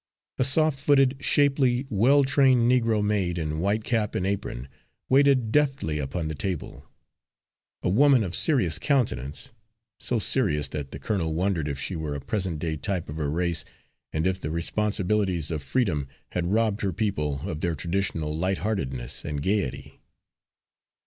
A soft footed, shapely, well trained negro maid, in white cap and apron, waited deftly upon the table; a woman of serious countenance so serious that the colonel wondered if she were a present day type of her race, and if the responsibilities of freedom had robbed her people of their traditional light heartedness and gaiety.